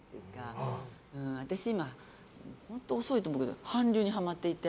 私、今、本当に遅いと思うけど韓流にハマってて。